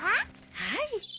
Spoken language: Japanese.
はい。